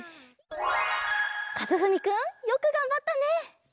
かずふみくんよくがんばったね！